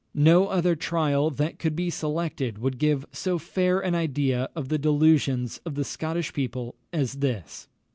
No other trial that could be selected would give so fair an idea of the delusions of the Scottish people as this.